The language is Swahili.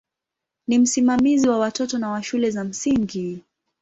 Ni msimamizi wa watoto na wa shule za msingi.